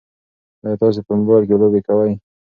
ایا تاسي په موبایل کې لوبې کوئ؟